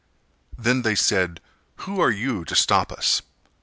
Then they said "Who are you who stop us?"